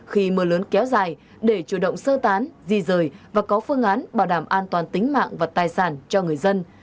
khi mưa lớn kéo dài để chủ động sơ tán di rời và có phương án bảo đảm an toàn tính mạng và tài sản cho người dân